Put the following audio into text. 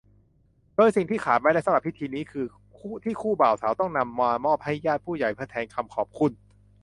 โดยสิ่งที่ขาดไม่ได้สำหรับพิธีนี้คือ ที่คู่บ่าวสาวต้องนำมามอบให้ญาติผู้ใหญ่เพื่อแทนคำขอบคุณ